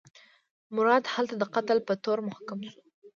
مراد هلته د قتل په تور محاکمه شو.